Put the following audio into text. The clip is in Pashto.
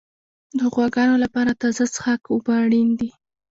د غواګانو لپاره تازه څښاک اوبه اړین دي.